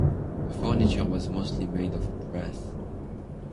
The furniture was mostly made of brass.